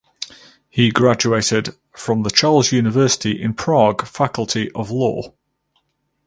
He graduated from the Charles University in Prague faculty of law.